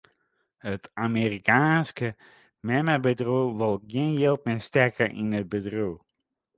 It Amerikaanske memmebedriuw wol gjin jild mear stekke yn it bedriuw.